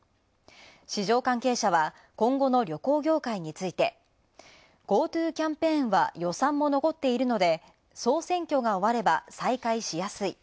市場関係者は今後の旅行業界についてＧｏＴｏキャンペーンは予算も残っているので、総選挙が終われば再開しやすい。